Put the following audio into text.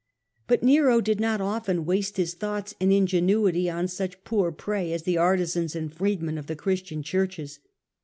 But Nero did not often waste his thought and inge nuity on such poor prey as the artizans and freedmen of the Christian Churches.